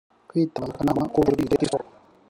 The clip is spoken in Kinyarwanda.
kwitabaza akanama k ubujurire k isoko